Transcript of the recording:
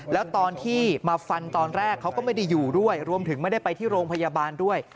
แล้วตอนที่มาฟันตอนแรกเขาก็ไม่ได้อยู่ด้วยรวมถึงไม่ได้ไปที่โรงพยาบาลด้วย